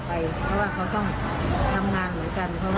คนจาก็ลำบาก